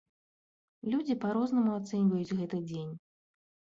Людзі па-рознаму ацэньваюць гэты дзень.